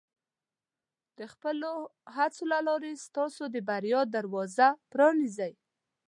د خپلو هڅو له لارې، تاسو د بریا دروازه پرانیزئ.